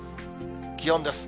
気温です。